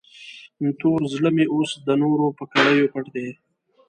تور زړه مې اوس د نور په کړیو پټ دی.